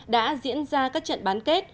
đã diễn ra các trận bán kết